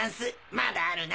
まだあるな！